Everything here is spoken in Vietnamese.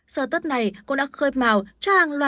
sợ tớt này cũng đã khơi màu cho hàng loạt